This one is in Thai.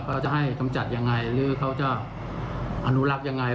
เขาจะให้กำจัดยังไงหรือเขาจะอนุรักษ์ยังไง